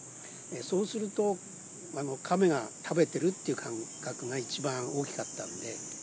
そうすると、カメが食べてるって感覚が一番大きかったので。